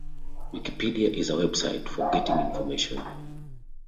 Wikipedia is a website for getting information.